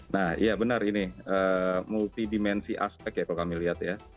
nah iya benar ini multidimensi aspek ya kalau kami lihat ya